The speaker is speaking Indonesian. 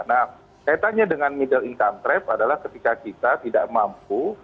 nah kaitannya dengan middle income trap adalah ketika kita tidak mampu